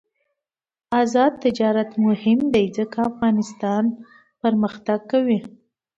آزاد تجارت مهم دی ځکه چې افغانستان پرمختګ کوي.